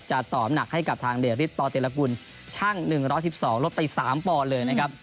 จะต่ออัพหนักให้กับทางเดริศตอเตรียร์ละกุลชั่ง๑๑๒ลดไป๓ปอนเลยนะครับ